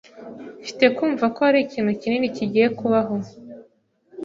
Mfite kumva ko hari ikintu kinini kigiye kubaho.